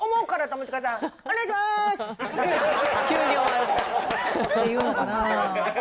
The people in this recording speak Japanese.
っていうのかな。